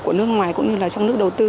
của nước ngoài cũng như là trong nước đầu tư